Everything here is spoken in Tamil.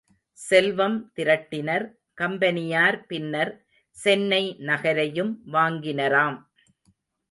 செல்வம் திரட்டினர் கம்பெனியார் பின்னர் சென்னை நகரையும் வாங்கினராம்.